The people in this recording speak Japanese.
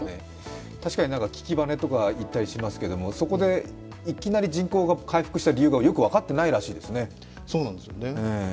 確かに危機がめとかいいますが、そこでいきなり人口が回復した理由がよく分かってないらしいですよね。